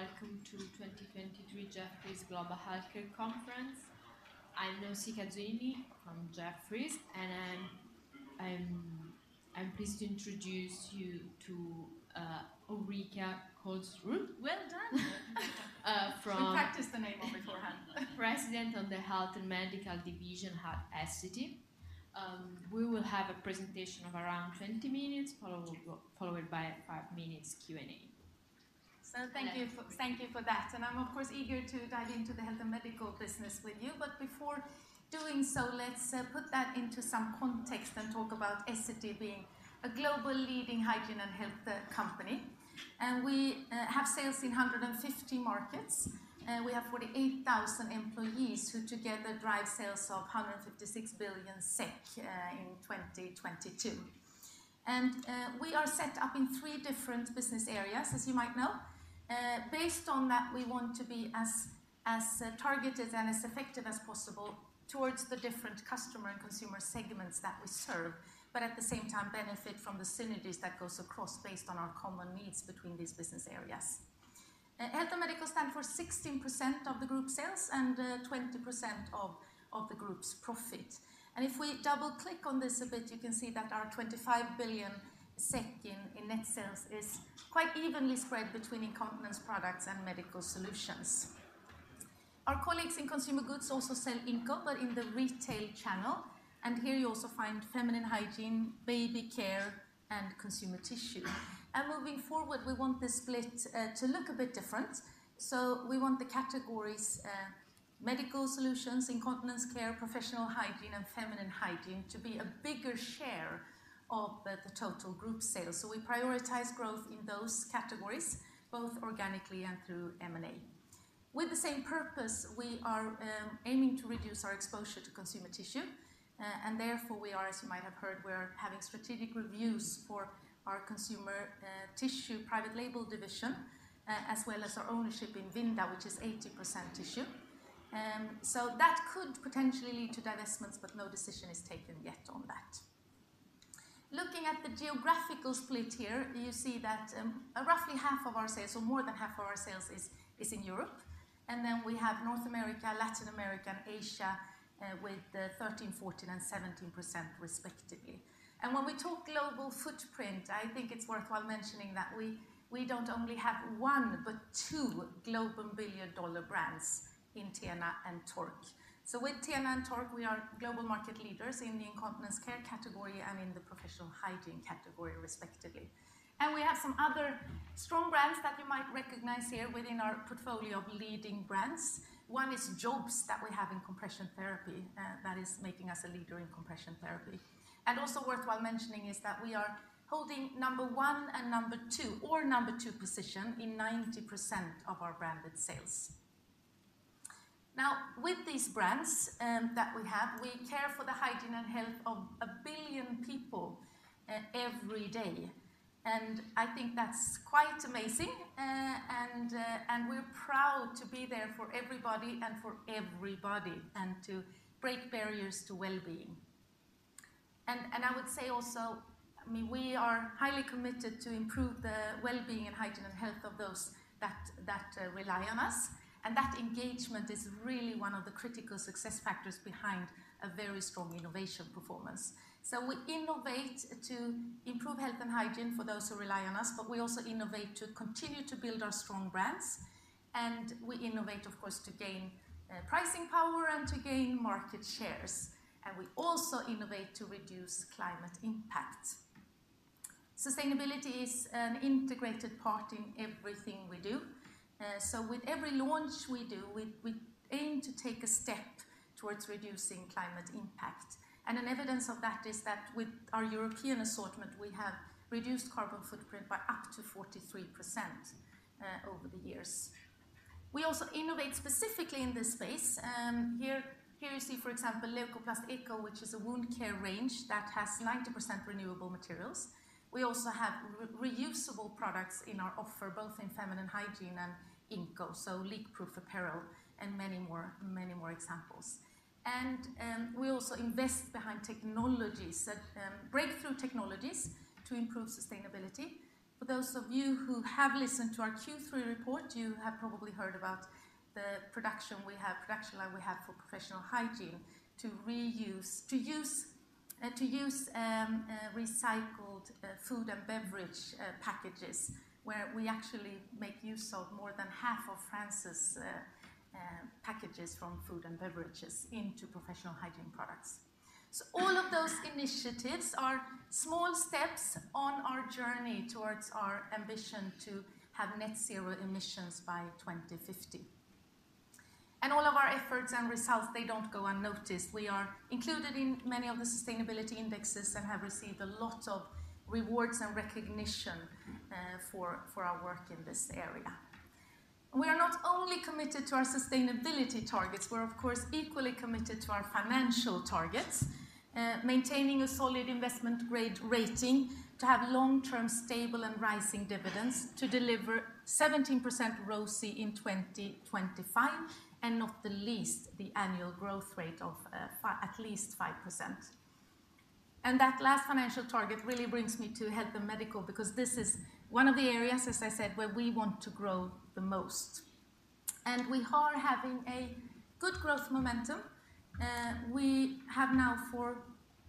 Welcome to 2023 Jefferies Global Healthcare Conference. I'm Nosi Kazwini from Jefferies, and I'm pleased to introduce you to Ulrika Kolsrud. Well done! From- We practiced the name beforehand. President of the Health and Medical Division at Essity. We will have a presentation of around 20 minutes, followed by a 5 minutes Q&A. So thank you for that, and I'm, of course, eager to dive into the health and medical business with you. But before doing so, let's put that into some context and talk about Essity being a global leading hygiene and health company. And we have sales in 150 markets, we have 48,000 employees who together drive sales of 156 billion SEK in 2022. And we are set up in three different business areas, as you might know. Based on that, we want to be as targeted and as effective as possible towards the different customer and consumer segments that we serve, but at the same time benefit from the synergies that goes across based on our common needs between these business areas. Health and Medical stand for 16% of the group sales and 20% of the group's profit. If we double-click on this a bit, you can see that our 25 billion in net sales is quite evenly spread between incontinence products and medical solutions. Our colleagues in consumer goods also sell Inco, but in the retail channel, and here you also find feminine hygiene, baby care, and consumer tissue. Moving forward, we want this split to look a bit different. We want the categories medical solutions, incontinence care, professional hygiene, and feminine hygiene to be a bigger share of the total group sales. We prioritize growth in those categories, both organically and through M&A. With the same purpose, we are aiming to reduce our exposure to consumer tissue, and therefore, we are, as you might have heard, we're having strategic reviews for our consumer tissue private label division, as well as our ownership in Vinda, which is 80% tissue. So that could potentially lead to divestments, but no decision is taken yet on that. Looking at the geographical split here, you see that roughly half of our sales or more than half of our sales is in Europe, and then we have North America, Latin America, and Asia, with 13%, 14%, and 17%, respectively. When we talk global footprint, I think it's worthwhile mentioning that we don't only have one, but two global billion-dollar brands in TENA and Tork. So with TENA and Tork, we are global market leaders in the incontinence care category and in the professional hygiene category, respectively. And we have some other strong brands that you might recognize here within our portfolio of leading brands. One is JOBST that we have in compression therapy, that is making us a leader in compression therapy. And also worthwhile mentioning is that we are holding number one and number two, or number two position in 90% of our branded sales. Now, with these brands that we have, we care for the hygiene and health of 1 billion people every day. And I think that's quite amazing, and we're proud to be there for everybody and for everybody, and to break barriers to well-being. And I would say also, I mean, we are highly committed to improve the well-being and hygiene and health of those that rely on us, and that engagement is really one of the critical success factors behind a very strong innovation performance. So we innovate to improve health and hygiene for those who rely on us, but we also innovate to continue to build our strong brands, and we innovate, of course, to gain pricing power and to gain market shares. And we also innovate to reduce climate impact. Sustainability is an integrated part in everything we do. So with every launch we do, we aim to take a step towards reducing climate impact. And an evidence of that is that with our European assortment, we have reduced carbon footprint by up to 43% over the years. We also innovate specifically in this space. Here, here you see, for example, Leukoplast Eco, which is a wound care range that has 90% renewable materials. We also have reusable products in our offer, both in feminine hygiene and Inco, so leak-proof apparel and many more, many more examples. And we also invest behind technologies that breakthrough technologies to improve sustainability. For those of you who have listened to our Q3 report, you have probably heard about the production line we have for professional hygiene to use recycled food and beverage packages, where we actually make use of more than half of France's packages from food and beverages into professional hygiene products. So all of those initiatives are small steps on our journey towards our ambition to have net zero emissions by 2050. All of our efforts and results, they don't go unnoticed. We are included in many of the sustainability indexes and have received a lot of rewards and recognition, for, for our work in this area. We are not only committed to our sustainability targets, we're of course, equally committed to our financial targets, maintaining a solid investment grade rating, to have long-term stable and rising dividends, to deliver 17% ROCE in 2025, and not the least, the annual growth rate of, at least 5% that last financial target really brings me to Health and Medical, because this is one of the areas, as I said, where we want to grow the most. We are having a good growth momentum. We have now for,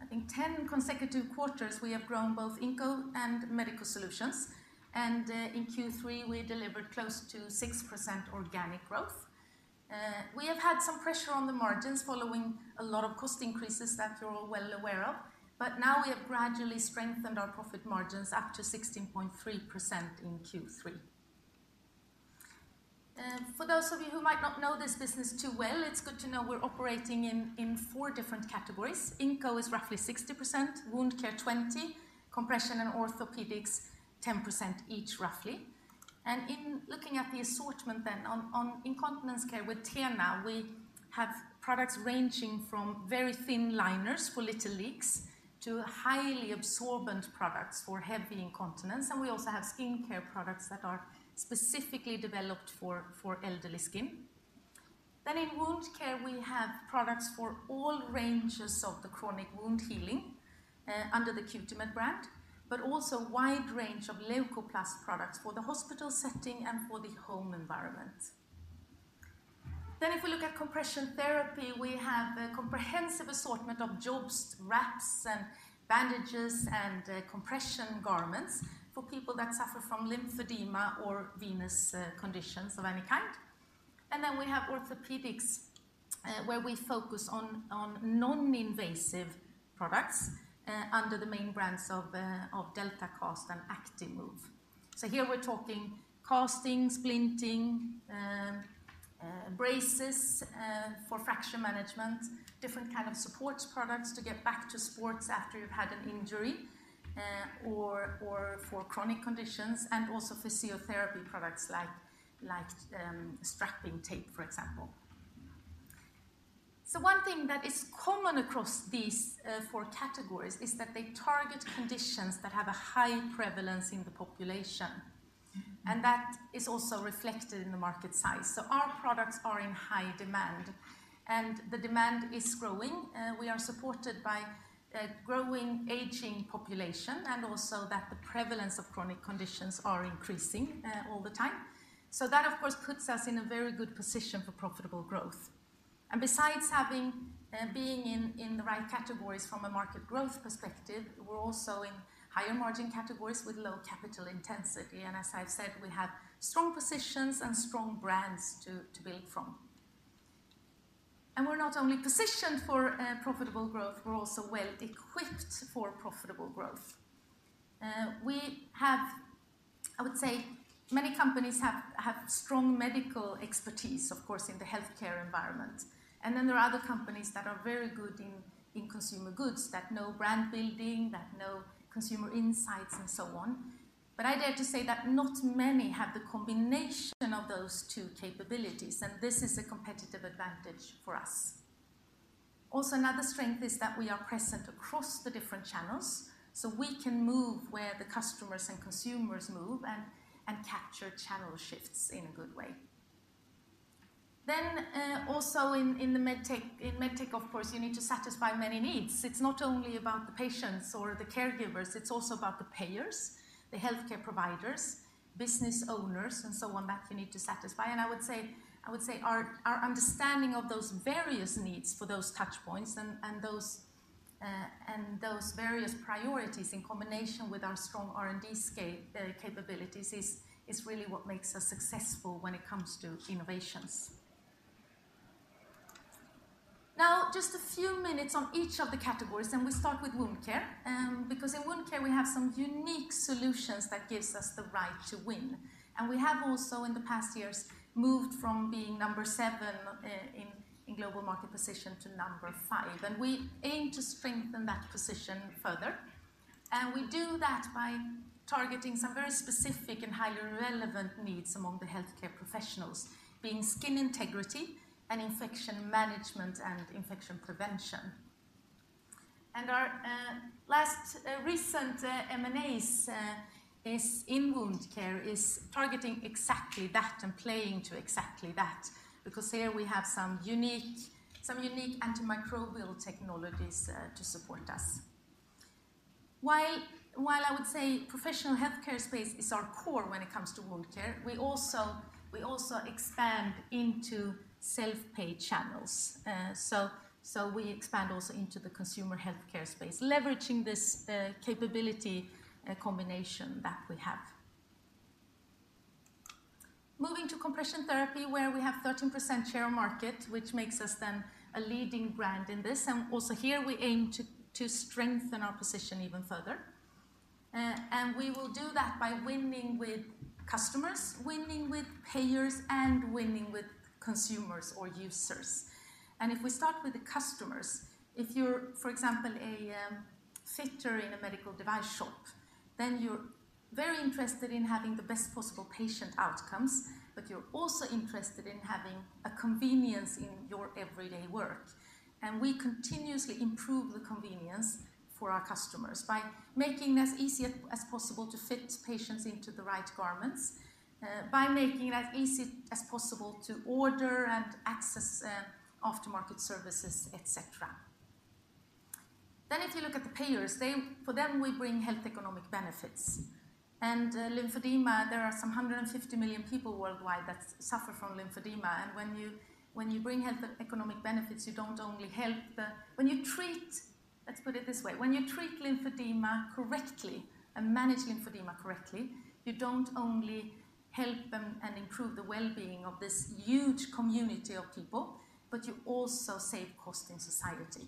I think, 10 consecutive quarters, we have grown both Inco and Medical Solutions, and, in Q3, we delivered close to 6% organic growth. We have had some pressure on the margins following a lot of cost increases that you're all well aware of, but now we have gradually strengthened our profit margins up to 16.3% in Q3. For those of you who might not know this business too well, it's good to know we're operating in four different categories. Inco is roughly 60%, Wound Care 20, Compression and orthopedics, 10% each, roughly. And in looking at the assortment then on, on incontinence care with TENA, we have products ranging from very thin liners for little leaks to highly absorbent products for heavy incontinence, and we also have skin care products that are specifically developed for, for elderly skin. Then in Wound Care, we have products for all ranges of the chronic wound healing under the Cutimed brand, but also a wide range of Leukoplast products for the hospital setting and for the home environment. Then if we look at compression therapy, we have a comprehensive assortment of JOBST wraps, and bandages, and compression garments for people that suffer from lymphedema or venous conditions of any kind. And then we have orthopedics, where we focus on, on non-invasive products under the main brands of Delta-Cast and Actimove. So here we're talking casting, splinting, braces, for fracture management, different kind of support products to get back to sports after you've had an injury, or for chronic conditions, and also physiotherapy products like strapping tape, for example. So one thing that is common across these four categories is that they target conditions that have a high prevalence in the population, and that is also reflected in the market size. So our products are in high demand, and the demand is growing. We are supported by a growing, aging population, and also that the prevalence of chronic conditions are increasing all the time. So that, of course, puts us in a very good position for profitable growth. Besides being in the right categories from a market growth perspective, we're also in higher margin categories with low capital intensity. As I've said, we have strong positions and strong brands to build from. We're not only positioned for profitable growth, we're also well equipped for profitable growth. We have I would say many companies have strong medical expertise, of course, in the healthcare environment. Then there are other companies that are very good in consumer goods, that know brand building, that know consumer insights, and so on. But I dare to say that not many have the combination of those two capabilities, and this is a competitive advantage for us. Also, another strength is that we are present across the different channels, so we can move where the customers and consumers move and capture channel shifts in a good way. Then, also in med tech, of course, you need to satisfy many needs. It's not only about the patients or the caregivers, it's also about the payers, the healthcare providers, business owners, and so on, that you need to satisfy. And I would say our understanding of those various needs for those touchpoints and those various priorities, in combination with our strong R&D scale capabilities, is really what makes us successful when it comes to innovations. Now, just a few minutes on each of the categories, and we start with Wound Care. Because in Wound Care, we have some unique solutions that gives us the right to win. And we have also, in the past years, moved from being number 7 in global market position to number 5. And we aim to strengthen that position further. And we do that by targeting some very specific and highly relevant needs among the healthcare professionals, being skin integrity and infection management and infection prevention. And our last recent M&As is in wound care, is targeting exactly that and playing to exactly that, because here we have some unique antimicrobial technologies to support us. While I would say professional healthcare space is our core when it comes to wound care, we also expand into self-pay channels. So, so we expand also into the consumer healthcare space, leveraging this capability combination that we have. Moving to compression therapy, where we have 13% share of market, which makes us then a leading brand in this, and also here we aim to strengthen our position even further. We will do that by winning with customers, winning with payers, and winning with consumers or users. If we start with the customers, if you're, for example, a fitter in a medical device shop, then you're very interested in having the best possible patient outcomes, but you're also interested in having a convenience in your everyday work. We continuously improve the convenience for our customers by making it as easy as possible to fit patients into the right garments, by making it as easy as possible to order and access aftermarket services, et cetera. Then if you look at the payers, for them, we bring health economic benefits. And lymphedema, there are some 150 million people worldwide that suffer from lymphedema, and when you bring health economic benefits, Let's put it this way, when you treat lymphedema correctly and manage lymphedema correctly, you don't only help them and improve the well-being of this huge community of people, but you also save cost in society.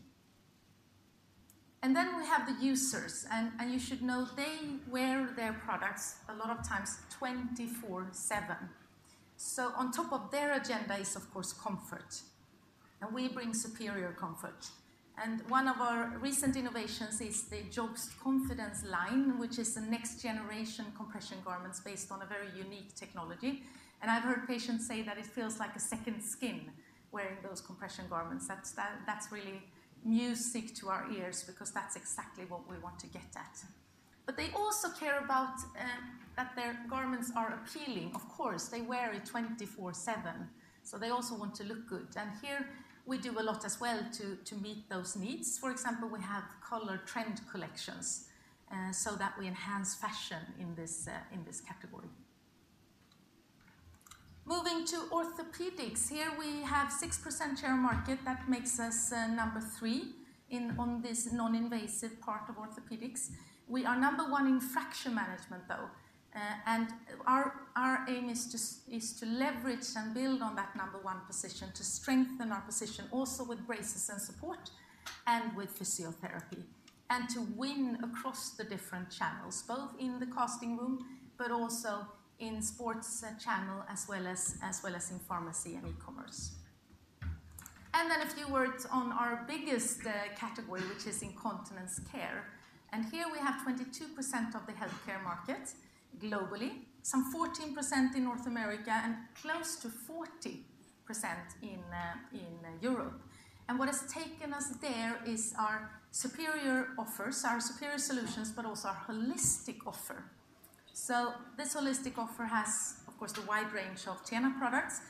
And then we have the users, and you should know they wear their products a lot of times 24/7. So on top of their agenda is, of course, comfort, and we bring superior comfort. One of our recent innovations is the JOBST Confidence line, which is a next-generation compression garments based on a very unique technology. I've heard patients say that it feels like a second skin, wearing those compression garments. That's, that, that's really music to our ears because that's exactly what we want to get at. But they also care about that their garments are appealing. Of course, they wear it 24/7, so they also want to look good, and here we do a lot as well to meet those needs. For example, we have color trend collections, so that we enhance fashion in this category. Moving to orthopedics, here we have 6% share of market. That makes us number 3 in on this non-invasive part of orthopedics. We are number 1 in fracture management, though. Our aim is to leverage and build on that number 1 position, to strengthen our position also with braces and support and with physiotherapy, and to win across the different channels, both in the casting room but also in sports channel, as well as in pharmacy and e-commerce. Then a few words on our biggest category, which is incontinence care. Here we have 22% of the healthcare market globally, some 14% in North America, and close to 40% in Europe. What has taken us there is our superior offers, our superior solutions, but also our holistic offer. This holistic offer has, of course, the wide range of TENA products.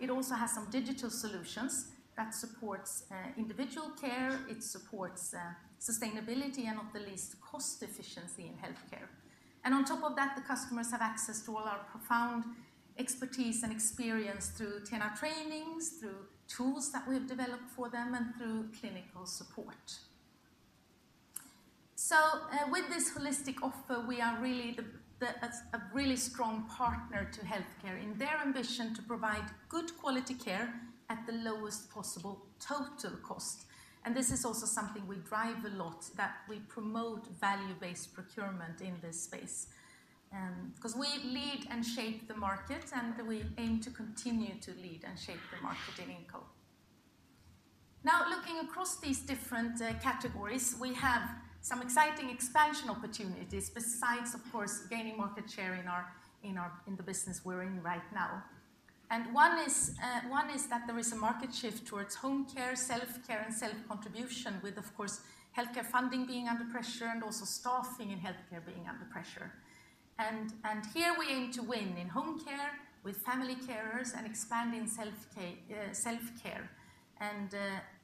It also has some digital solutions that supports individual care, it supports sustainability, and not the least, cost efficiency in healthcare. And on top of that, the customers have access to all our profound expertise and experience through TENA trainings, through tools that we've developed for them, and through clinical support. So, with this holistic offer, we are really a really strong partner to healthcare in their ambition to provide good quality care at the lowest possible total cost. And this is also something we drive a lot, that we promote value-based procurement in this space. 'Cause we lead and shape the market, and we aim to continue to lead and shape the market in Inco. Now, looking across these different categories, we have some exciting expansion opportunities, besides, of course, gaining market share in our, in our, in the business we're in right now. And one is that there is a market shift towards home care, self-care, and self-contribution with, of course, healthcare funding being under pressure and also staffing in healthcare being under pressure. And here we aim to win in home care with family carers and expand in self-care, and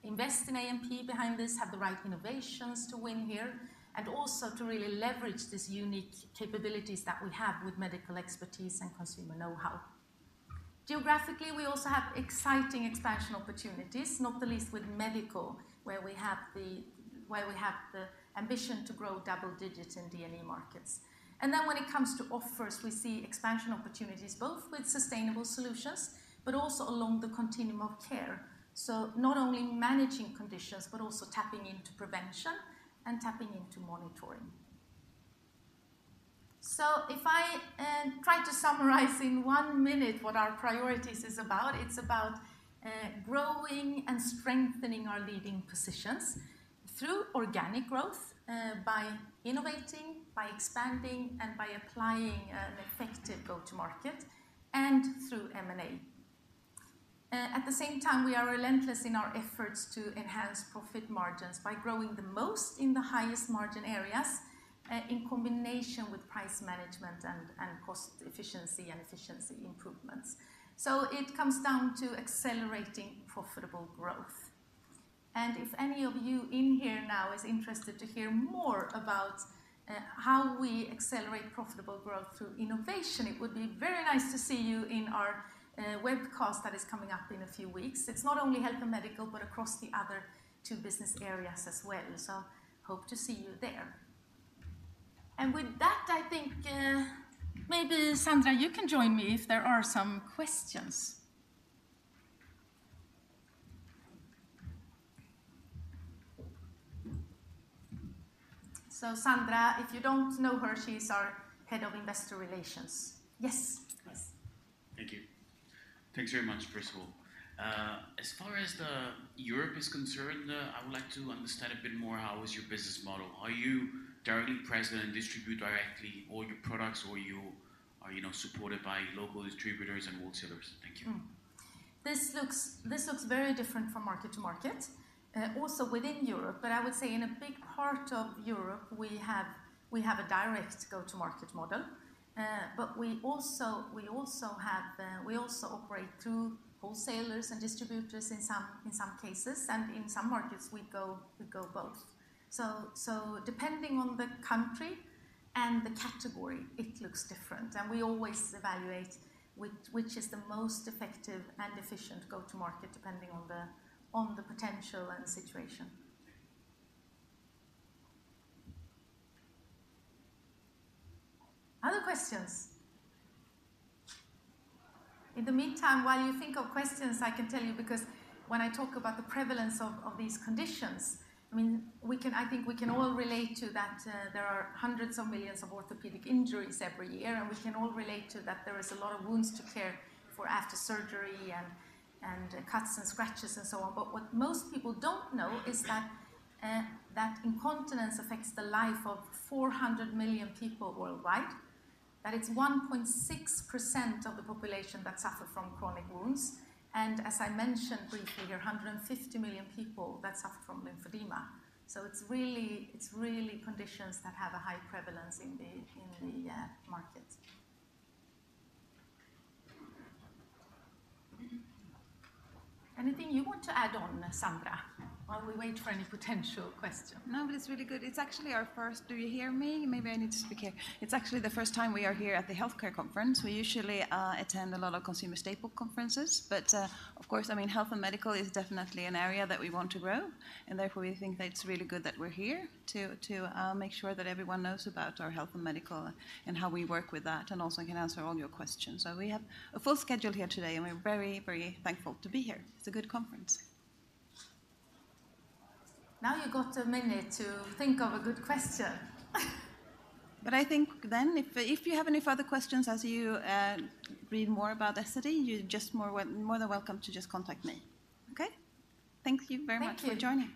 invest in AMP behind this, have the right innovations to win here, and also to really leverage this unique capabilities that we have with medical expertise and consumer know-how. Geographically, we also have exciting expansion opportunities, not the least with medical, where we have the ambition to grow double digits in DNE markets. Then when it comes to offers, we see expansion opportunities, both with sustainable solutions, but also along the continuum of care. So not only managing conditions, but also tapping into prevention and tapping into monitoring. So if I try to summarize in one minute what our priorities is about, it's about growing and strengthening our leading positions through organic growth by innovating, by expanding, and by applying an effective go-to-market and through M&A. At the same time, we are relentless in our efforts to enhance profit margins by growing the most in the highest margin areas in combination with price management and cost efficiency and efficiency improvements. So it comes down to accelerating profitable growth. And if any of you in here now is interested to hear more about how we accelerate profitable growth through innovation, it would be very nice to see you in our webcast that is coming up in a few weeks. It's not only health and medical, but across the other two business areas as well. So hope to see you there. And with that, I think maybe Sandra, you can join me if there are some questions. So Sandra, if you don't know her, she's our head of investor relations. Yes, please. Thank you. Thanks very much, Priscille. As far as the Europe is concerned, I would like to understand a bit more how is your business model. Are you directly present and distribute directly all your products, or you are, you know, supported by local distributors and wholesalers? Thank you. This looks very different from market to market, also within Europe. But I would say in a big part of Europe, we have a direct go-to-market model. But we also operate through wholesalers and distributors in some cases, and in some markets, we go both. So depending on the country and the category, it looks different. And we always evaluate which is the most effective and efficient go-to-market, depending on the potential and situation. Other questions? In the meantime, while you think of questions, I can tell you, because when I talk about the prevalence of these conditions, I mean, we can—I think we can all relate to that, there are hundreds of millions of orthopedic injuries every year, and we can all relate to that there is a lot of wounds to care for after surgery and cuts and scratches and so on. But what most people don't know is that that incontinence affects the life of 400 million people worldwide, that it's 1.6% of the population that suffer from chronic wounds, and as I mentioned briefly, there are 150 million people that suffer from lymphedema. So it's really, it's really conditions that have a high prevalence in the, in the market. Anything you want to add on, Sandra, while we wait for any potential question? No, but it's really good. It's actually our first do you hear me? Maybe I need to speak here. It's actually the first time we are here at the healthcare conference. We usually attend a lot of consumer staple conferences, but of course, I mean, health and medical is definitely an area that we want to grow, and therefore, we think that it's really good that we're here to make sure that everyone knows about our health and medical and how we work with that, and also can answer all your questions. So we have a full schedule here today, and we're very, very thankful to be here. It's a good conference. Now, you've got a minute to think of a good question. But I think then, if you have any further questions as you read more about Essity, you're just more than welcome to just contact me. Okay? Thank you very much for joining.